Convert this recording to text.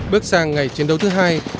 bước sang ngày chiến đấu thứ hai